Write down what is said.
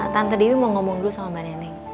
tante diri mau ngomong dulu sama mbak neneng